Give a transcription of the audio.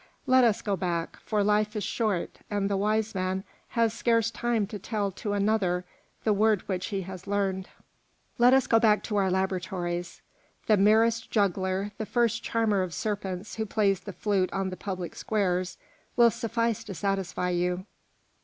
Let us go back, for life is short, and the wise man has scarce time to tell to another the word which he has learned. Let us go back to our laboratories. The merest juggler, the first charmer of serpents who plays the flute on the public squares, will suffice to satisfy you."